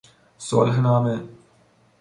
صلحنامه